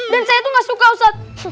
dan saya tuh gak suka ustad